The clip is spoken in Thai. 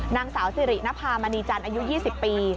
นางสาวสิรินภามณีจันทร์อายุ๒๐ปี